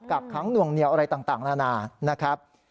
กักขังหน่วงเนียวอะไรต่างนานา